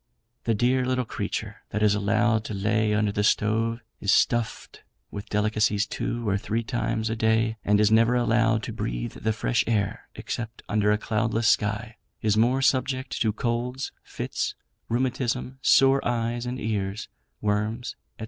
The dear little creature that is allowed to lay under the stove, is stuffed with delicacies two or three times a day, and is never allowed to breathe the fresh air, except under a cloudless sky, is more subject to colds, fits, rheumatism, sore eyes and ears, worms, &c.